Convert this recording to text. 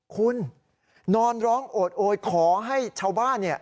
คุณนอนร้องโอดโอยขอให้ชาวบ้านเนี่ย